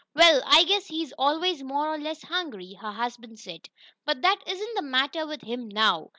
"Well, I guess he's always more or less hungry," her husband said, "but that isn't the matter with him now.